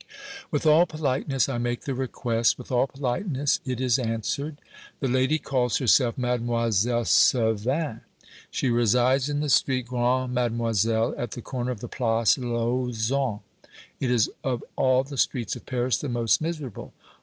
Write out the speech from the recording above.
With all politeness I make the request; with all politeness it is answered. The lady calls herself Mademoiselle Servin. She resides in the street Grande Mademoiselle, at the corner of the Place Lauzun. It is of all the streets of Paris the most miserable.